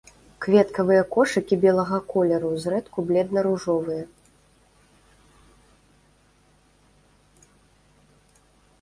Кветкавыя кошыкі белага колеру, зрэдку бледна-ружовыя.